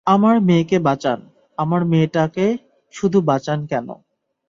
আমার মেয়েকে বাঁচান, আমার মেয়েটাকে শুধু বাঁচান কেনো?